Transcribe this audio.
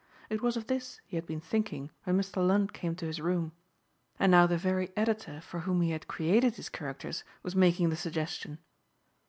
It was of this he had been thinking when Mr. Lund came to his room. And now the very editor for whom he had created his characters was making the suggestion.